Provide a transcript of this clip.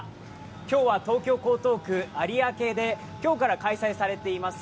今日は東京・江東区有明で今日から開催されています